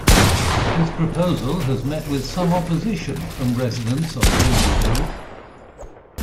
This proposal has met with some opposition from residents on Kilvey Hill.